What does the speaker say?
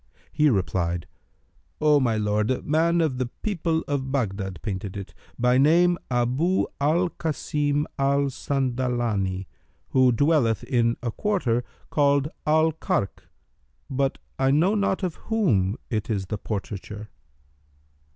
He replied, "O my lord, a man of the people of Baghdad painted it, by name Abu al Kбsim al Sandalбni who dwelleth in a quarter called Al Karkh; but I know not of whom it is the portraiture."